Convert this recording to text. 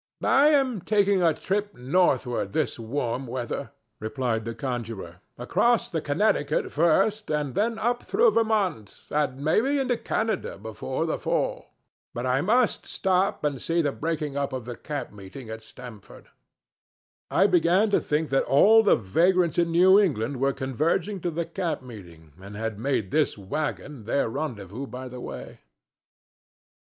"I am taking a trip northward this warm weather," replied the conjurer, "across the Connecticut first, and then up through Vermont, and maybe into Canada before the fall. But I must stop and see the breaking up of the camp meeting at Stamford." I began to think that all the vagrants in New England were converging to the camp meeting and had made this wagon, their rendezvous by the way.